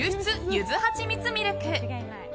ゆずはちみつミルク。